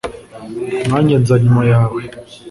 nanjye nza nyuma yawe